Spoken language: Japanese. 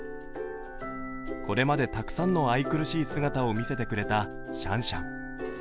これまでたくさんの愛くるしい姿を見せてくれたシャンシャン。